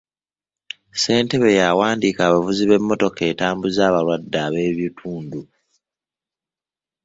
Ssentebe y'awandiika abavuzi b'emmotoka etambuza abalwadde ab'ebitundu.